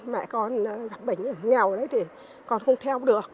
mẹ con gặp bệnh nghèo đấy thì con không theo được